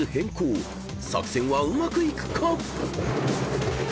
作戦はうまくいくか？］